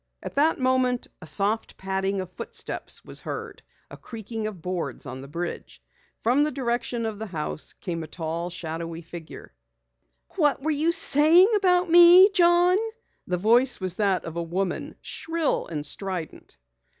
At that moment a soft padding of footsteps was heard, a creaking of boards on the bridge. From the direction of the house came a tall, shadowy figure. "What were you saying about me, John?" The voice was that of a woman, shrill and strident.